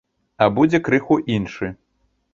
А будзе крыху іншы.